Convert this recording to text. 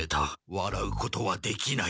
わらうことはできない。